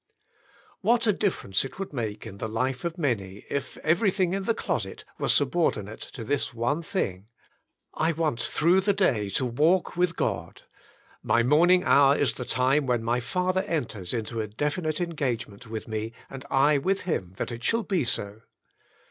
"WTiat a difference it would make in the life of many, if everything in the closet were subordinate to this one thing : I want through the day to walk with God ; my morning hour is the time when my Father enters into a definite engagement with me and I with Him that it shall be so.